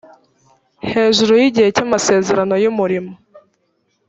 hejuru y igihe cy amasezerano y umurimo